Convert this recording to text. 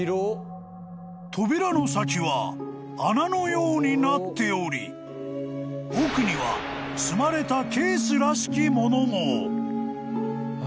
［扉の先は穴のようになっており奥には積まれたケースらしきものも］何？